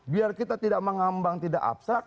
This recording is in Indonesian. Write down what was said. biar kita tidak mengambang tidak abstrak